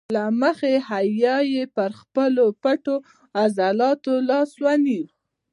له مخې حیا یې پر خپلو پټو عضلاتو لاس ونیو.